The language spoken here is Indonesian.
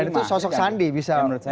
dan itu sosok sandi bisa menurut saya